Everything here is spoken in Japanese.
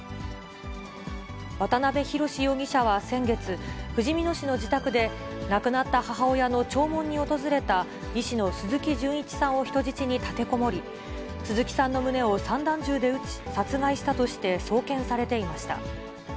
渡辺宏容疑者は先月、ふじみ野市の自宅で、亡くなった母親の弔問に訪れた医師の鈴木純一さんを人質に立てこもり、鈴木さんの胸を散弾銃で撃ち、殺害したとして送検されていました。